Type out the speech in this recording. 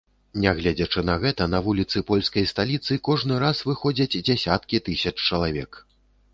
Нягледзячы на гэта на вуліцы польскай сталіцы кожны раз выходзяць дзясяткі тысяч чалавек.